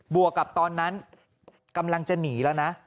วกกับตอนนั้นกำลังจะหนีแล้วนะ